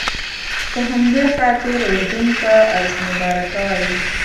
په همدې خاطر اردن ته ارض مبارکه وایي.